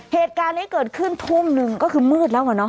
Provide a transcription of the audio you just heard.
เหตุการณ์นี้เกิดขึ้นทุ่มหนึ่งก็คือมืดแล้วอะเนาะ